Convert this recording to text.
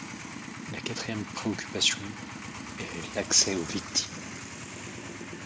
La quatrième préoccupation est l'accès aux victimes.